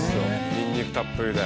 ニンニクたっぷりで。